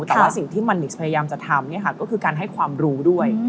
แต่ว่าสิ่งที่มันนิกสพยายามจะทำก็คือการให้ความรู้ด้วย